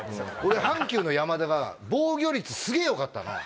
阪急の山田が防御率すげぇ良かったの。